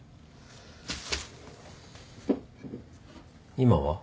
今は？